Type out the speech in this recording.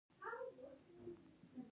ویلما په شک سره وویل